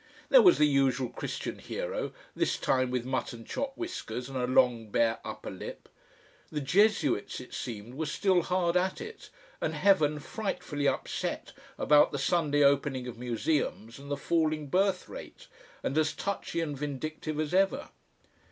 There was the usual Christian hero, this time with mutton chop whiskers and a long bare upper lip. The Jesuits, it seemed, were still hard at it, and Heaven frightfully upset about the Sunday opening of museums and the falling birth rate, and as touchy and vindictive as ever.